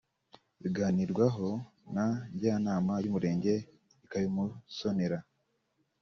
biganirwaho na Njyanama y’umurenge ikabimusonera